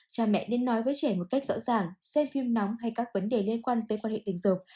cha mẹ nên nói với trẻ một cách rõ ràng xem phim nóng hay các vấn đề liên quan tới quan hệ tình dục